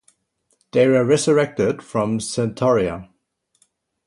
They were resurrected from "Centaurea".